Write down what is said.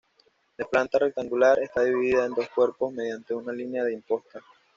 De planta rectangular está dividida en dos cuerpos mediante una línea de imposta.